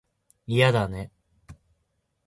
いやだね